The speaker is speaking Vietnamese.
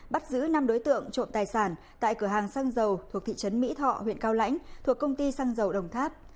bắt giữ năm đối tượng trộm tài sản tại cửa hàng xăng dầu thuộc thị trấn mỹ thọ huyện cao lãnh thuộc công ty xăng dầu đồng tháp